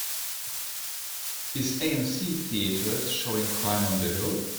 Is AMC Theaters showing Crime on the Hill?